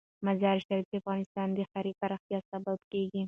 مزارشریف د افغانستان د ښاري پراختیا سبب کېږي.